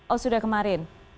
oh sudah kemarin